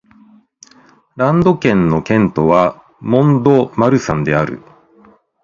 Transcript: ランド県の県都はモン＝ド＝マルサンである